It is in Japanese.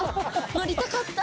乗りたかった。